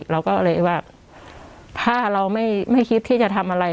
เราก็เลยว่าถ้าเราไม่คิดที่จะทำอะไร